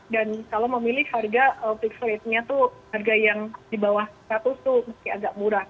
dan kalau memilih harga fixed rate nya itu harga yang di bawah seratus itu agak murah